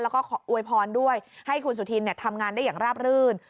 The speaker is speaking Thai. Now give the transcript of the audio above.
แล้วก็อวยพรด้วยให้คุณสุธินทำงานได้อย่างราบรื่น